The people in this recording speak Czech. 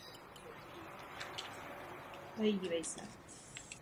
Ústavní soud mohl také zahájit řízení sám.